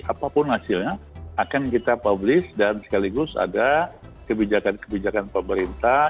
apapun hasilnya akan kita publish dan sekaligus ada kebijakan kebijakan pemerintah